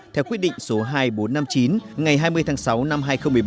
theo quyết định số hai nghìn bốn trăm năm mươi chín ngày hai mươi tháng sáu năm hai nghìn một mươi bảy